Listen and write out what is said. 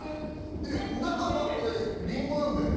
で中はこれりんごなんだよね？